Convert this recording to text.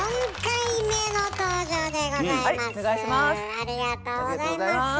ありがとうございます。